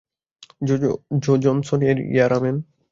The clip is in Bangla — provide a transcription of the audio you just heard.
জো জনসন এর ইয়ারাম্যান।